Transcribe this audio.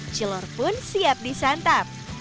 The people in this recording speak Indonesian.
cilor pun siap disantap